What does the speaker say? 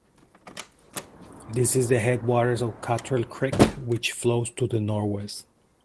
It is at the headwaters of Cantrell Creek which flows to the northwest.